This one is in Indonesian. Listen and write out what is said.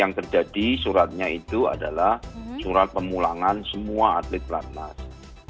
yang terjadi suratnya itu adalah surat pemulangan semua atlet pelatnas